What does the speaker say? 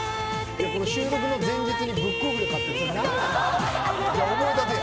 収録の前日にブックオフで買ってた。